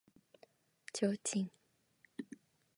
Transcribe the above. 提灯